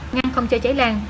ngăn không cho cháy lan